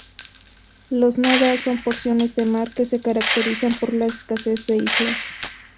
Los "nada" son porciones de mar que se caracterizan por la escasez de islas.